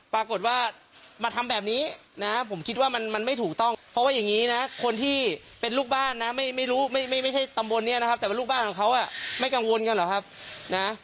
ปรากฏว่ามาทำแบบนี้นะผมคิดว่ามันไม่ถูกต้องเพราะว่าอย่างนี้นะคนที่เป็นลูกบ้านนะไม่รู้ไม่ใช่ตำบลนี้นะครับแต่ว่าลูกบ้านของเขาไม่กังวลกันเหรอครับนะ